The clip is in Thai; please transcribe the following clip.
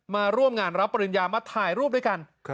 มาร่วมงานรับปริญญามาถ่ายรูปด้วยกัน